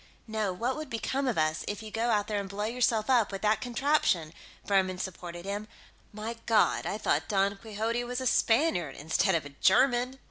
"No, what would become of us, if you go out there and blow yourself up with that contraption?" Buhrmann supported him. "My God, I thought Don Quixote was a Spaniard, instead of a German!"